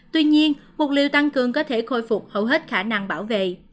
tuy nhiên mục liều tăng cường có thể khôi phục hầu hết khả năng bảo vệ